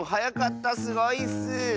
すごいッス！